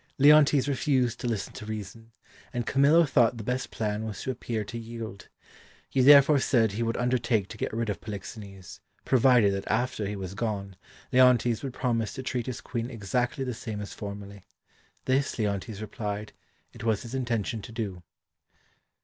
Leontes refused to listen to reason, and Camillo thought the best plan was to appear to yield. He therefore said he would undertake to get rid of Polixenes, provided that after he was gone, Leontes would promise to treat his Queen exactly the same as formerly. This, Leontes replied, it was his intention to do.